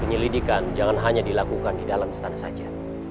penyelidikan jangan hanya dilakukan di dalam stand saja